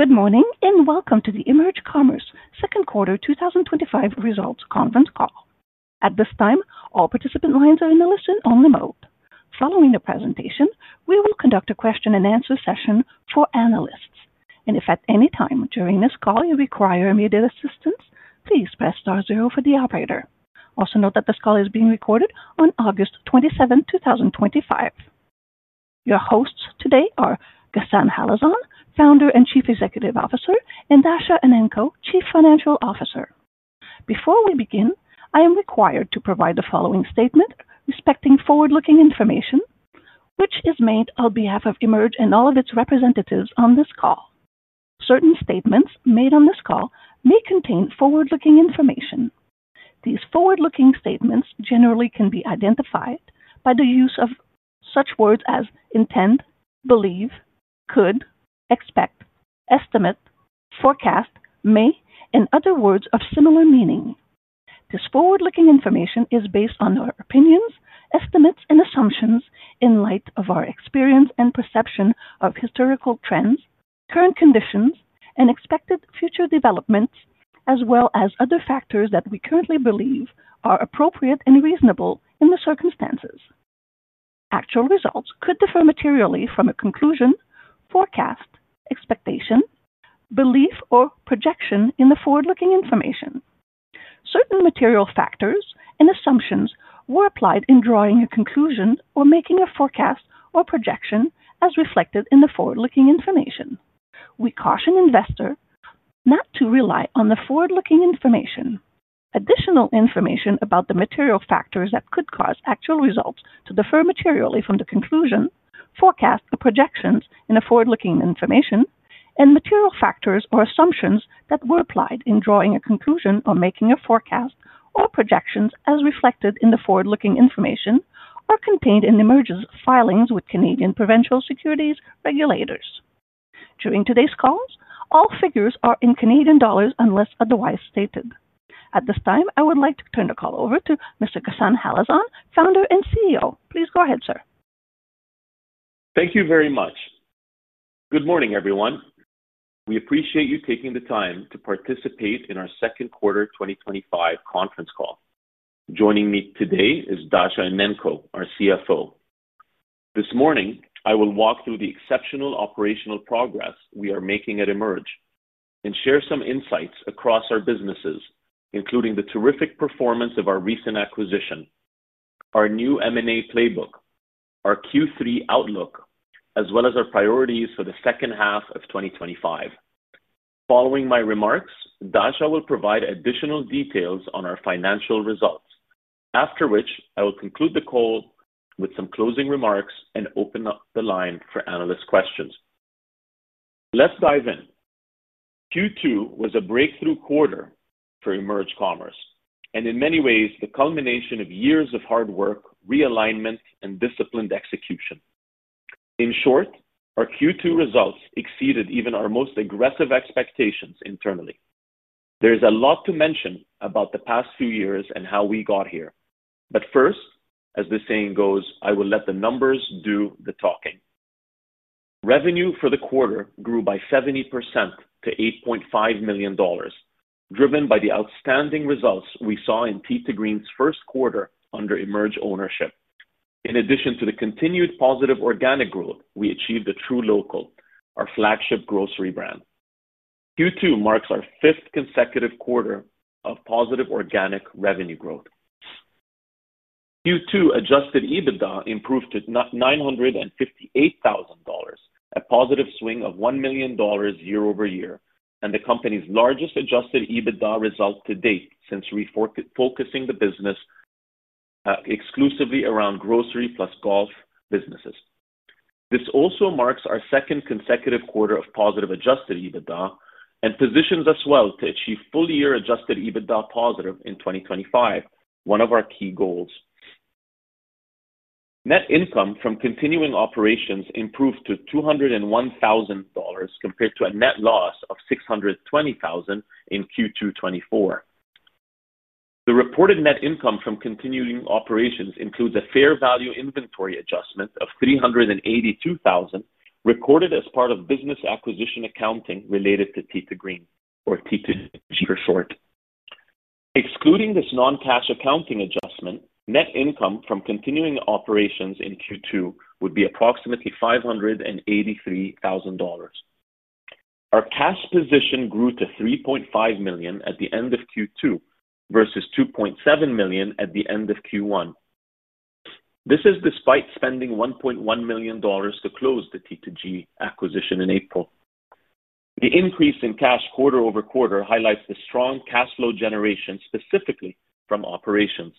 Good morning and welcome to the EMERGE Commerce Second Quarter 2025 Results Conference Call. At this time, all participant lines are in a listen-only mode. Following the presentation, we will conduct a question and answer session for analysts. If at any time during this call you require immediate assistance, please press *0 for the operator. Also note that this call is being recorded on August 27, 2025. Your hosts today are Ghassan Halazon, Founder and Chief Executive Officer, and Dasha Enenko, Chief Financial Officer. Before we begin, I am required to provide the following statement respecting forward-looking information, which is made on behalf of EMERGE and all of its representatives on this call. Certain statements made on this call may contain forward-looking information. These forward-looking statements generally can be identified by the use of such words as intend, believe, could, expect, estimate, forecast, may, and other words of similar meaning. This forward-looking information is based on our opinions, estimates, and assumptions in light of our experience and perception of historical trends, current conditions, and expected future developments, as well as other factors that we currently believe are appropriate and reasonable in the circumstances. Actual results could differ materially from a conclusion, forecast, expectation, belief, or projection in the forward-looking information. Certain material factors and assumptions were applied in drawing a conclusion or making a forecast or projection as reflected in the forward-looking information. We caution investors not to rely on the forward-looking information. Additional information about the material factors that could cause actual results to differ materially from the conclusion, forecast, or projections in the forward-looking information, and material factors or assumptions that were applied in drawing a conclusion or making a forecast or projections as reflected in the forward-looking information are contained in EMERGE's filings with Canadian provincial securities regulators. During today's call, all figures are in Canadian dollars unless otherwise stated. At this time, I would like to turn the call over to Mr. Ghassan Halazon, Founder and CEO. Please go ahead, sir. Thank you very much. Good morning, everyone. We appreciate you taking the time to participate in our Second Quarter 2025 Conference Call. Joining me today is Dasha Enenko, our CFO. This morning, I will walk through the exceptional operational progress we are making at EMERGE and share some insights across our businesses, including the terrific performance of our recent acquisition, our new M&A playbook, our Q3 outlook, as well as our priorities for the second half of 2025. Following my remarks, Dasha will provide additional details on our financial results, after which I will conclude the call with some closing remarks and open up the line for analyst questions. Let's dive in. Q2 was a breakthrough quarter for EMERGE Commerce, and in many ways, the culmination of years of hard work, realignment, and disciplined execution. In short, our Q2 results exceeded even our most aggressive expectations internally. There is a lot to mention about the past few years and how we got here. As the saying goes, I will let the numbers do the talking. Revenue for the quarter grew by 70% to $8.5 million, driven by the outstanding results we saw in Tee 2 Green's first quarter under EMERGE ownership. In addition to the continued positive organic growth, we achieved at truLOCAL, our flagship grocery brand. Q2 marks our fifth consecutive quarter of positive organic revenue growth. Q2 adjusted EBITDA improved to $958,000, a positive swing of $1 million year-over-year, and the company's largest adjusted EBITDA result to date since refocusing the business exclusively around grocery plus golf businesses. This also marks our second consecutive quarter of positive adjusted EBITDA and positions us well to achieve full-year adjusted EBITDA positive in 2025, one of our key goals. Net income from continuing operations improved to $201,000 compared to a net loss of $620,000 in Q2 2024. The reported net income from continuing operations includes a fair value inventory adjustment of $382,000 recorded as part of business acquisition accounting related to Tee 2 Green or T2G for short. Excluding this non-cash accounting adjustment, net income from continuing operations in Q2 would be approximately $583,000. Our cash position grew to $3.5 million at the end of Q2 versus $2.7 million at the end of Q1. This is despite spending $1.1 million to close the T2G acquisition in April. The increase in cash quarter over quarter highlights the strong cash flow generation specifically from operations.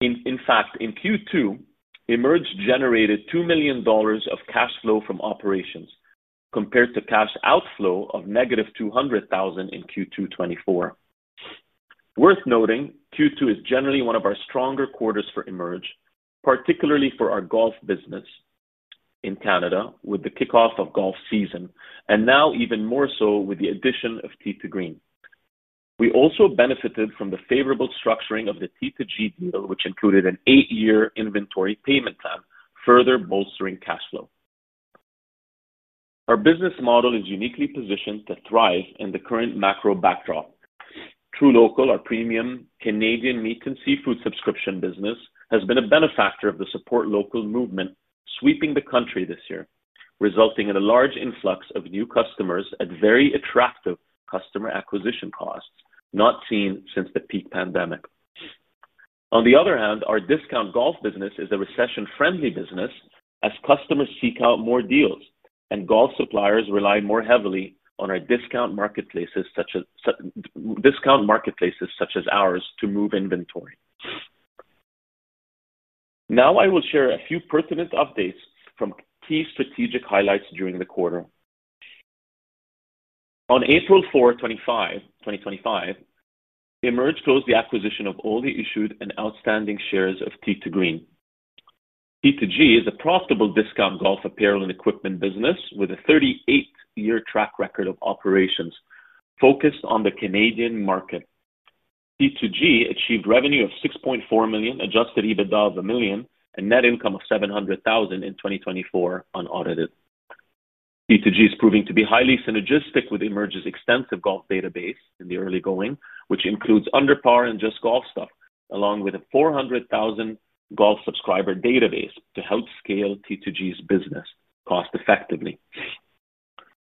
In fact, in Q2, EMERGE generated $2 million of cash flow from operations compared to cash outflow of negative $200,000 in Q2 2024. Worth noting, Q2 is generally one of our stronger quarters for EMERGE, particularly for our golf business in Canada with the kickoff of golf season, and now even more so with the addition of Tee 2 Green. We also benefited from the favorable structuring of the T2G deal, which included an eight-year inventory payment plan, further bolstering cash flow. Our business model is uniquely positioned to thrive in the current macro backdrop. truLOCAL, our premium Canadian meat and seafood subscription business, has been a benefactor of the support local movement sweeping the country this year, resulting in a large influx of new customers at very attractive customer acquisition costs, not seen since the peak pandemic. On the other hand, our discount golf business is a recession-friendly business as customers seek out more deals and golf suppliers rely more heavily on our discount marketplaces such as ours to move inventory. Now I will share a few pertinent updates from key strategic highlights during the quarter. On April 4, 2025, EMERGE closed the acquisition of all the issued and outstanding shares of Tee 2 Green. T2G is a profitable discount golf apparel and equipment business with a 38-year track record of operations focused on the Canadian market. T2G achieved revenue of $6.4 million, adjusted EBITDA of $1 million, and net income of $700,000 in 2024 unaudited. T2G is proving to be highly synergistic with EMERGE's extensive golf database in the early going, which includes UnderPar and JustGolfStuff, along with a 400,000 golf subscriber database to help scale T2G's business cost effectively.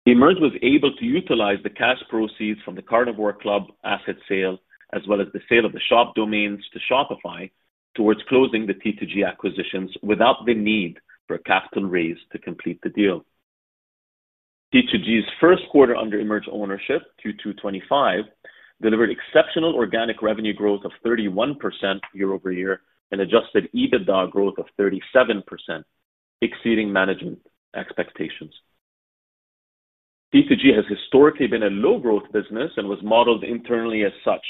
EMERGE was able to utilize the cash proceeds from the Carnivore Club asset sale, as well as the sale of the shop domains to Shopify, towards closing the T2G acquisition without the need for a capital raise to complete the deal. T2G's first quarter under EMERGE ownership, Q2 2025, delivered exceptional organic revenue growth of 31% year-over-year and adjusted EBITDA growth of 37%, exceeding management expectations. T2G has historically been a low-growth business and was modeled internally as such.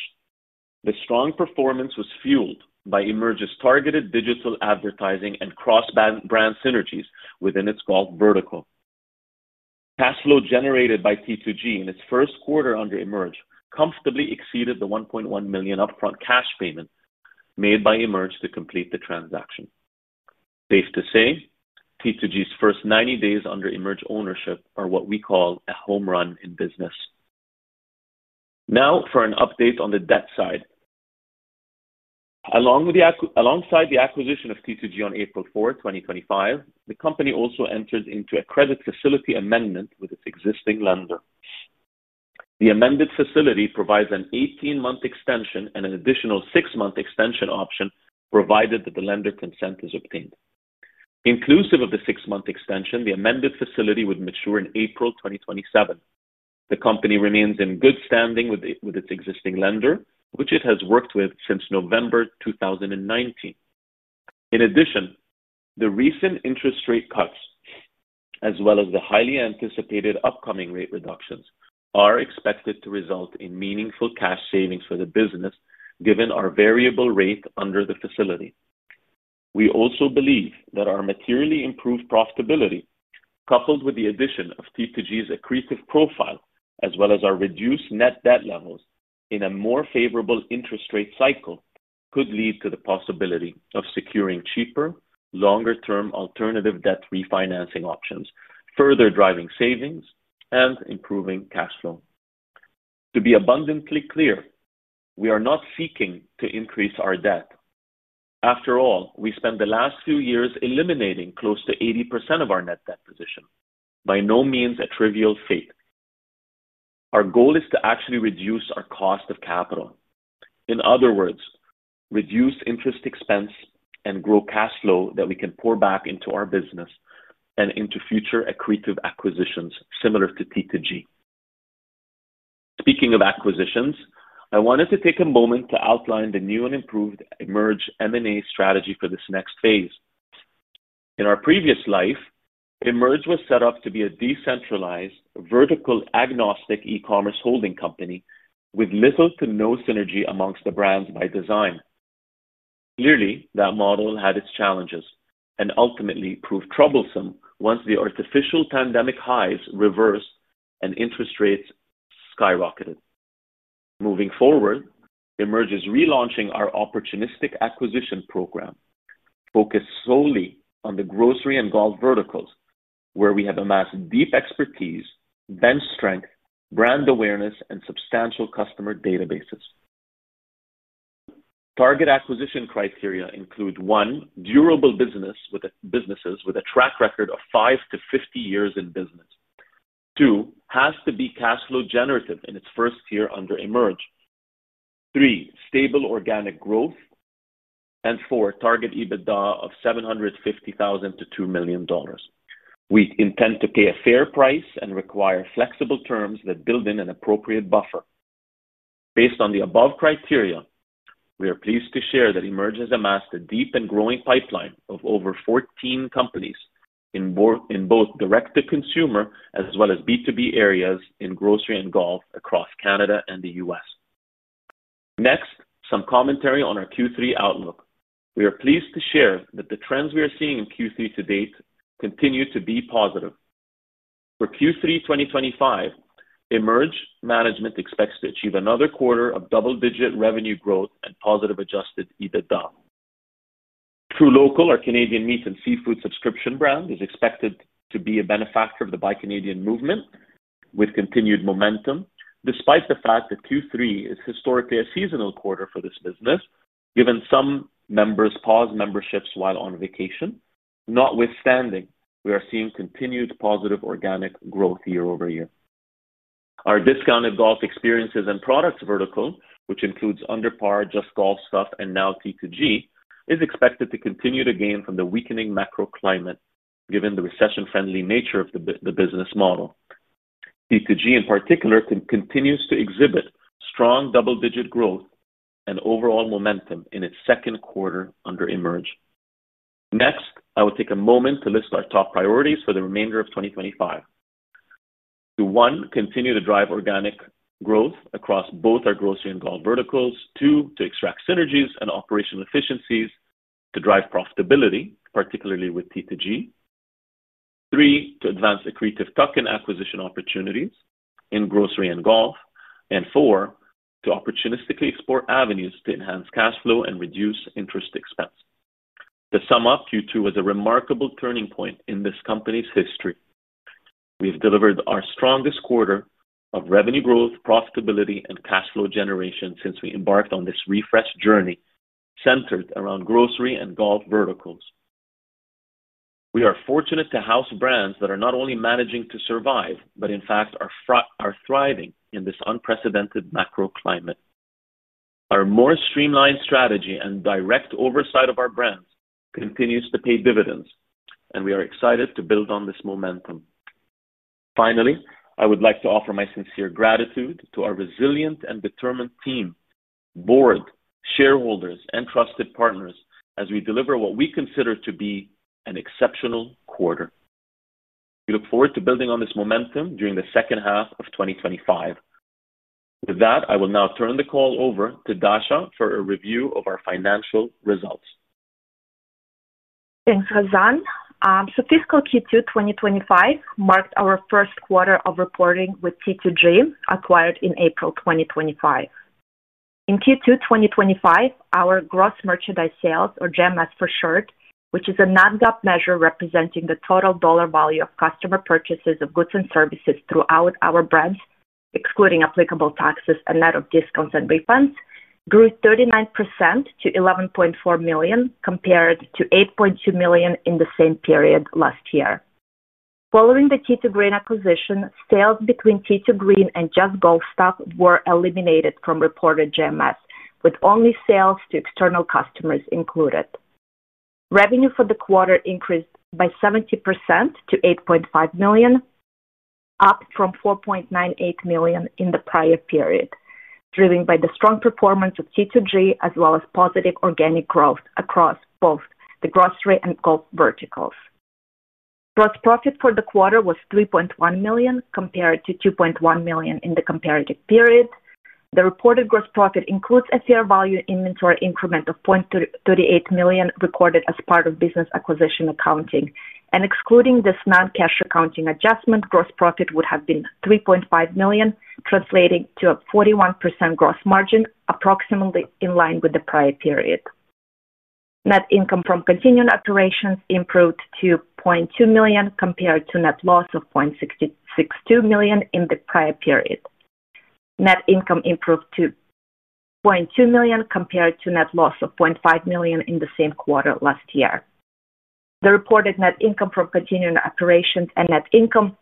The strong performance was fueled by EMERGE's targeted digital advertising and cross-brand synergies within its golf vertical. Cash flow generated by T2G in its first quarter under EMERGE comfortably exceeded the $1.1 million upfront cash payment made by EMERGE to complete the transaction. Safe to say, T2G's first 90 days under EMERGE ownership are what we call a home run in business. Now for an update on the debt side. Alongside the acquisition of T2G on April 4, 2025, the company also entered into a credit facility amendment with its existing lender. The amended facility provides an 18-month extension and an additional six-month extension option provided that the lender consent is obtained. Inclusive of the six-month extension, the amended facility would mature in April 2027. The company remains in good standing with its existing lender, which it has worked with since November 2019. In addition, the recent interest rate cuts, as well as the highly anticipated upcoming rate reductions, are expected to result in meaningful cash savings for the business given our variable rate under the facility. We also believe that our materially improved profitability, coupled with the addition of T2G's accretive profile, as well as our reduced net debt levels, in a more favorable interest rate cycle could lead to the possibility of securing cheaper, longer-term alternative debt refinancing options, further driving savings and improving cash flow. To be abundantly clear, we are not seeking to increase our debt. After all, we spent the last few years eliminating close to 80% of our net debt position. By no means a trivial feat. Our goal is to actually reduce our cost of capital. In other words, reduce interest expense and grow cash flow that we can pour back into our business and into future accretive acquisitions similar to T2G. Speaking of acquisitions, I wanted to take a moment to outline the new and improved EMERGE M&A strategy for this next phase. In our previous life, EMERGE was set up to be a decentralized, vertical, agnostic e-commerce holding company with little to no synergy amongst the brands by design. Clearly, that model had its challenges and ultimately proved troublesome once the artificial pandemic highs reversed and interest rates skyrocketed. Moving forward, EMERGE is relaunching our opportunistic acquisition program focused solely on the grocery and golf verticals where we have amassed deep expertise, bench strength, brand awareness, and substantial customer databases. Target acquisition criteria include: one, durable businesses with a track record of 5-50 years in business; two, has to be cash flow generative in its first year under EMERGE; three, stable organic growth; and four, target EBITDA of $750,000-$2 million. We intend to pay a fair price and require flexible terms that build in an appropriate buffer. Based on the above criteria, we are pleased to share that EMERGE has amassed a deep and growing pipeline of over 14 companies in both direct-to-consumer as well as B2B areas in grocery and golf across Canada and the U.S. Next, some commentary on our Q3 outlook. We are pleased to share that the trends we are seeing in Q3 to date continue to be positive. For Q3 2025, EMERGE management expects to achieve another quarter of double-digit revenue growth and positive adjusted EBITDA. truLOCAL, our Canadian meat and seafood subscription brand, is expected to be a benefactor of the buy Canadian movement with continued momentum, despite the fact that Q3 is historically a seasonal quarter for this business, given some members pause memberships while on vacation. Notwithstanding, we are seeing continued positive organic growth year over year. Our discounted golf experiences and products vertical, which includes UnderPar, JustGolfStuff, and now T2G, is expected to continue to gain from the weakening macro climate, given the recession-friendly nature of the business model. T2G, in particular, continues to exhibit strong double-digit growth and overall momentum in its second quarter under EMERGE. Next, I will take a moment to list our top priorities for the remainder of 2025. To one, continue to drive organic growth across both our grocery and golf verticals; two, to extract synergies and operational efficiencies to drive profitability, particularly with T2G; three, to advance the accretive acquisition opportunities in grocery and golf; and four, to opportunistically explore avenues to enhance cash flow and reduce interest expense. To sum up, Q2 was a remarkable turning point in this company's history. We've delivered our strongest quarter of revenue growth, profitability, and cash flow generation since we embarked on this refresh journey centered around grocery and golf verticals. We are fortunate to house brands that are not only managing to survive, but in fact are thriving in this unprecedented macro climate. Our more streamlined strategy and direct oversight of our brands continues to pay dividends, and we are excited to build on this momentum. Finally, I would like to offer my sincere gratitude to our resilient and determined team, Board, shareholders, and trusted partners as we deliver what we consider to be an exceptional quarter. We look forward to building on this momentum during the second half of 2025. With that, I will now turn the call over to Dasha for a review of our financial results. Thanks, Ghassan. Statistical Q2 2025 marked our first quarter of reporting with T2G, acquired in April 2025. In Q2 2025, our gross merchandise sales, or GMS for short, which is a non-GAAP measure representing the total dollar value of customer purchases of goods and services throughout our brands, excluding applicable taxes and net of discounts and refunds, grew 39% to $11.4 million, compared to $8.2 million in the same period last year. Following the Tee 2 Green acquisition, sales between Tee 2 Green and JustGolfStuff were eliminated from reported GMS, with only sales to external customers included. Revenue for the quarter increased by 70% to $8.5 million, up from $4.98 million in the prior period, driven by the strong performance of T2G as well as positive organic growth across both the grocery and golf verticals. Gross profit for the quarter was $3.1 million, compared to $2.1 million in the comparative period. The reported gross profit includes a fair value inventory increment of $0.38 million recorded as part of business acquisition accounting. Excluding this non-cash accounting adjustment, gross profit would have been $3.5 million, translating to a 41% gross margin, approximately in line with the prior period. Net income from continuing operations improved to $0.2 million, compared to net loss of $0.62 million in the prior period. Net income improved to $0.2 million, compared to net loss of $0.5 million in the same quarter last year. The reported net income from continuing operations and net income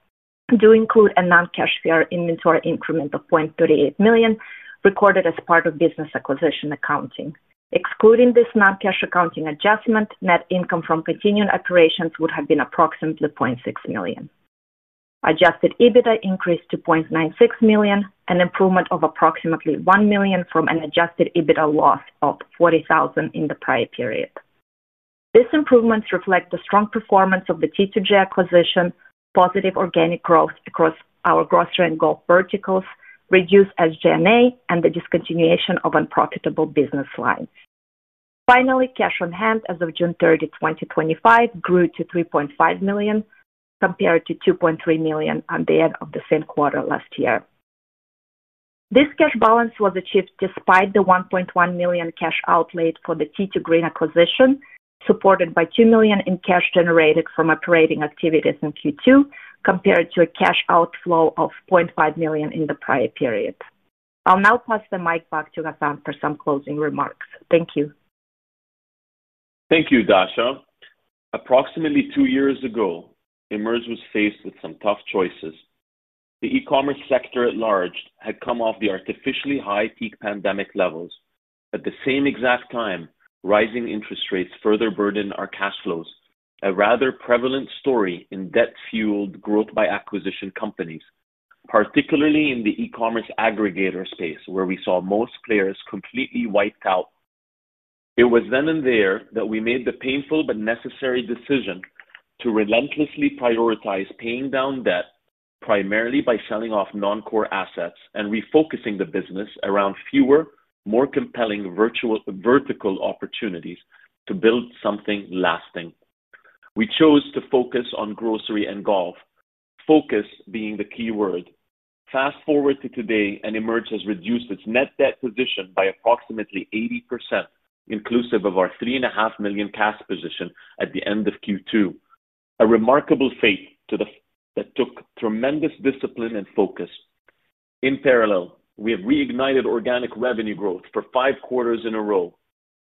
do include a non-cash fair inventory increment of $0.38 million recorded as part of business acquisition accounting. Excluding this non-cash accounting adjustment, net income from continuing operations would have been approximately $0.6 million. Adjusted EBITDA increased to $0.96 million, an improvement of approximately $1 million from an adjusted EBITDA loss of $40,000 in the prior period. These improvements reflect the strong performance of the T2G acquisition, positive organic growth across our grocery and golf verticals, reduced SG&A, and the discontinuation of unprofitable business lines. Finally, cash on hand as of June 30, 2025, grew to $3.5 million, compared to $2.3 million at the end of the same quarter last year. This cash balance was achieved despite the $1.1 million cash outlaid for the Tee 2 Green acquisition, supported by $2 million in cash generated from operating activities in Q2, compared to a cash outflow of $0.5 million in the prior period. I'll now pass the mic back to Ghassan for some closing remarks. Thank you. Thank you, Dasha. Approximately two years ago, EMERGE was faced with some tough choices. The e-commerce sector at large had come off the artificially high peak pandemic levels. At the same exact time, rising interest rates further burdened our cash flows, a rather prevalent story in debt-fueled growth by acquisition companies, particularly in the e-commerce aggregator space where we saw most players completely wiped out. It was then and there that we made the painful but necessary decision to relentlessly prioritize paying down debt, primarily by selling off non-core assets and refocusing the business around fewer, more compelling vertical opportunities to build something lasting. We chose to focus on grocery and golf, focus being the key word. Fast forward to today, and EMERGE has reduced its net debt position by approximately 80%, inclusive of our $3.5 million cash position at the end of Q2. A remarkable feat that took tremendous discipline and focus. In parallel, we have reignited organic revenue growth for five quarters in a row.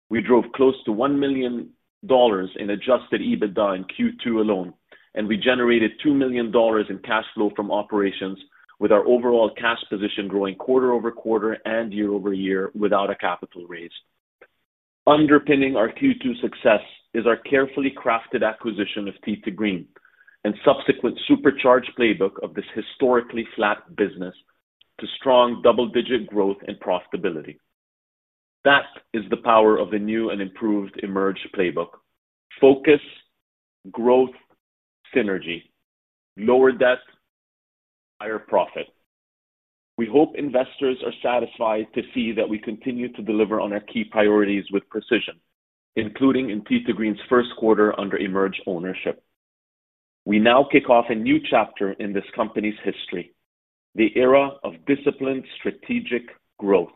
We drove close to $1 million in adjusted EBITDA in Q2 alone, and we generated $2 million in cash flow from operations, with our overall cash position growing quarter-over-quarter and year-over-year without a capital raise. Underpinning our Q2 success is our carefully crafted acquisition of Tee 2 Green and subsequent supercharged playbook of this historically flat business to strong double-digit growth and profitability. That is the power of the new and improved EMERGE playbook: focus, growth, synergy, lower debt, higher profit. We hope investors are satisfied to see that we continue to deliver on our key priorities with precision, including in Tee 2 Green's first quarter under EMERGE ownership. We now kick off a new chapter in this company's history, the era of disciplined strategic growth.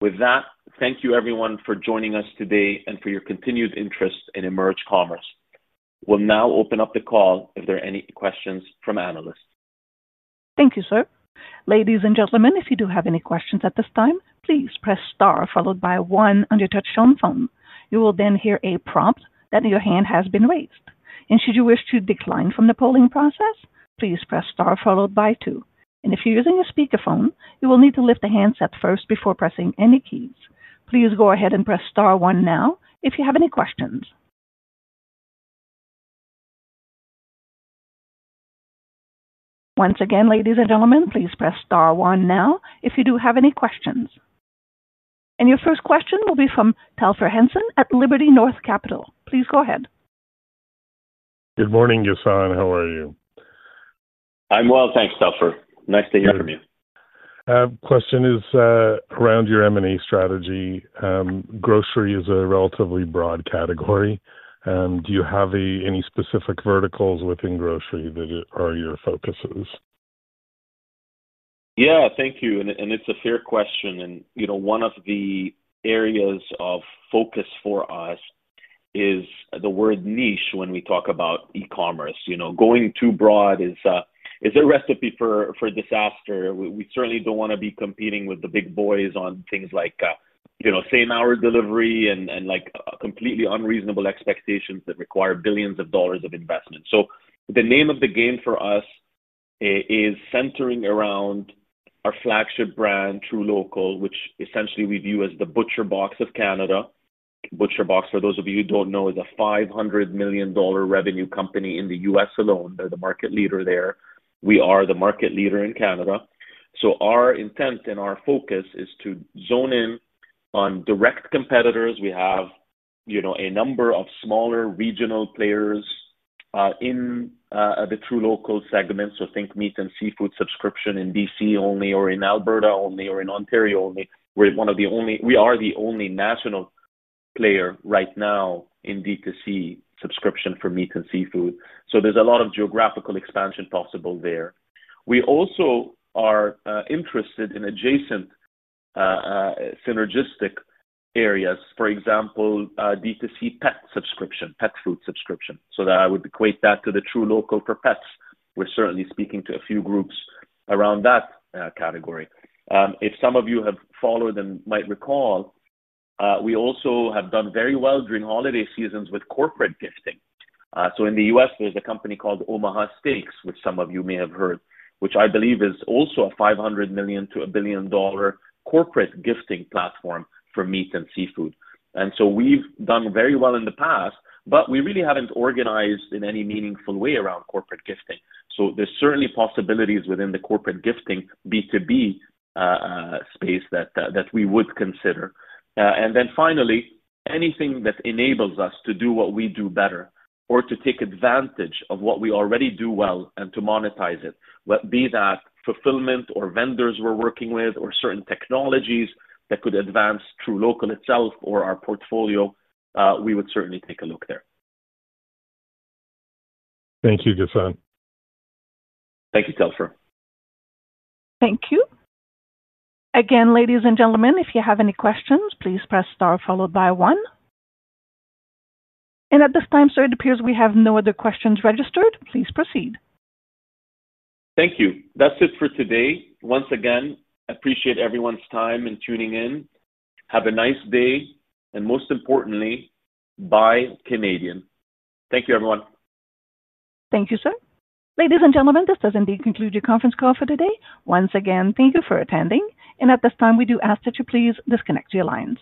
With that, thank you everyone for joining us today and for your continued interest in EMERGE Commerce. We'll now open up the call if there are any questions from analysts. Thank you, sir. Ladies and gentlemen, if you do have any questions at this time, please press star followed by one on your touch-tone phone. You will then hear a prompt that your hand has been raised. Should you wish to decline from the polling process, please press star followed by two. If you're using a speakerphone, you will need to lift the handset first before pressing any keys. Please go ahead and press star one now if you have any questions. Once again, ladies and gentlemen, please press star one now if you do have any questions. Your first question will be from Telfer Hanson at Liberty North Capital. Please go ahead. Good morning, Ghassan. How are you? I'm well, thanks, Telfer. Nice to hear from you. The question is around your M&A strategy. Grocery is a relatively broad category. Do you have any specific verticals within grocery that are your focuses? Thank you. It's a fair question. One of the areas of focus for us is the word niche when we talk about e-commerce. Going too broad is a recipe for disaster. We certainly don't want to be competing with the big boys on things like same-hour delivery and completely unreasonable expectations that require billions of dollars of investment. The name of the game for us is centering around our flagship brand, truLOCAL, which essentially we view as the ButcherBox of Canada. ButcherBox, for those of you who don't know, is a $500 million revenue company in the U.S. alone. They're the market leader there. We are the market leader in Canada. Our intent and our focus is to zone in on direct competitors. We have a number of smaller regional players in the truLOCAL segment. Think meat and seafood subscription in B.C. only, or in Alberta only, or in Ontario only. We are the only national player right now in direct-to-consumer subscription for meat and seafood. There's a lot of geographical expansion possible there. We also are interested in adjacent synergistic areas, for example, direct-to-consumer pet subscription, pet food subscription. I would equate that to the truLOCAL for pets. We're certainly speaking to a few groups around that category. If some of you have followed and might recall, we also have done very well during holiday seasons with corporate gifting. In the U.S., there's a company called Omaha Steaks, which some of you may have heard, which I believe is also a $500 million-$1 billion corporate gifting platform for meat and seafood. We've done very well in the past, but we really haven't organized in any meaningful way around corporate gifting. There are certainly possibilities within the corporate gifting B2B space that we would consider. Finally, anything that enables us to do what we do better or to take advantage of what we already do well and to monetize it, be that fulfillment or vendors we're working with or certain technologies that could advance truLOCAL itself or our portfolio, we would certainly take a look there. Thank you, Ghassan. Thank you, Telfer. Thank you. Again, ladies and gentlemen, if you have any questions, please press star followed by one. At this time, sir, it appears we have no other questions registered. Please proceed. Thank you. That's it for today. Once again, I appreciate everyone's time and tuning in. Have a nice day. Most importantly, buy Canadian. Thank you, everyone. Thank you, sir. Ladies and gentlemen, this does indeed conclude your conference call for today. Once again, thank you for attending. At this time, we do ask that you please disconnect your lines.